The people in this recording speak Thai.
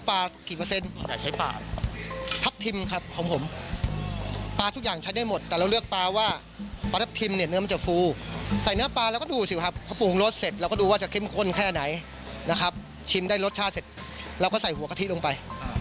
ปรุงรสเสร็จเราก็ดูว่าจะเข้มข้นแค่ไหนนะครับชิ้นได้รสชาติเสร็จเราก็ใส่หัวกะทิลงไป